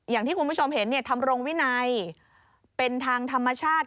อย่างที่คุณผู้ชมเห็นทำรงวินัยเป็นทางธรรมชาติ